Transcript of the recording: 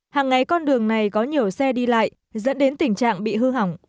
hàng ngày con đường này có nhiều xe đi lại dẫn đến tình trạng bị hư hỏng